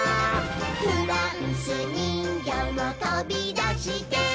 「フランスにんぎょうもとびだして」